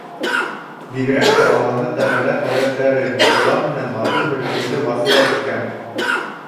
Бигерәк тә Аллаһы Тәғәлә хәҙрәттәре улар менән матур һөйләшеүҙе васыят иткән.